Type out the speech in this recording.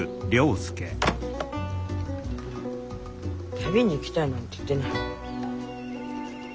「旅に行きたい」なんて言ってない。